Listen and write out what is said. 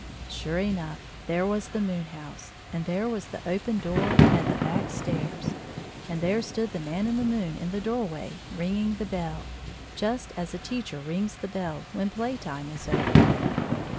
Sure enough, there was the moon house, and there was the open door and the back stairs, and there stood the Man in the moon in the door way, ringing the bell, just as a teacher rings the bell when play time is over.